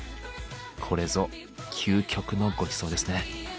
これぞ究極のごちそうですね。